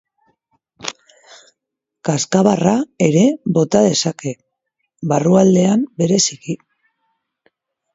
Kazkabarra ere bota dezake, barrualdean bereziki.